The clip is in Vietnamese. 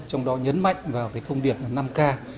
trong đó nhấn mạnh vào thông điệp năm k